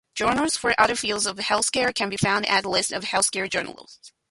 Journals for other fields of healthcare can be found at List of healthcare journals.